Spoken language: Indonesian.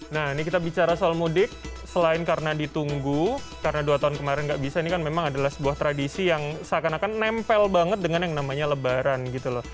nah ini kita bicara soal mudik selain karena ditunggu karena dua tahun kemarin nggak bisa ini kan memang adalah sebuah tradisi yang seakan akan nempel banget dengan yang namanya lebaran gitu loh